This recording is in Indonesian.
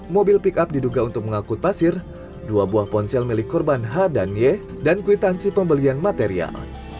mobil pickup diduga untuk mengakut pasir dua buah ponsel milik korban h dan y dan kuitansi pembelian material